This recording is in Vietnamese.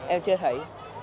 em chưa thấy